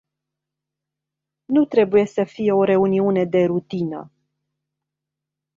Nu trebuie să fie o reuniune de rutină.